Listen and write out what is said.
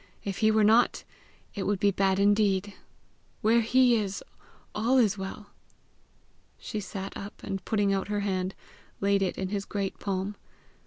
If he were not, it would be bad indeed! Where he is, all is well!" She sat up, and putting out her hand, laid it in his great palm.